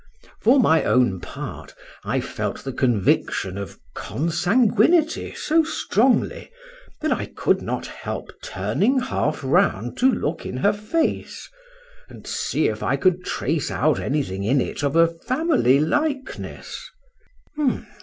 For my own part, I felt the conviction of consanguinity so strongly, that I could not help turning half round to look in her face, and see if I could trace out any thing in it of a family likeness.